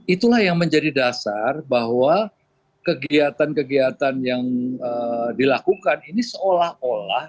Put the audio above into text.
itulah yang menjadi dasar bahwa kegiatan kegiatan yang dilakukan ini seolah olah